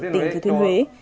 tỉnh thừa thuyên huế